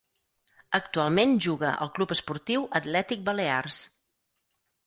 Actualment juga al Club Esportiu Atlètic Balears.